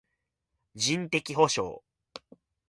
人的補償